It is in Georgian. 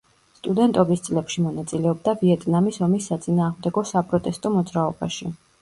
სტუდენტობის წლებში მონაწილეობდა ვიეტნამის ომის საწინააღმდეგო საპროტესტო მოძრაობაში.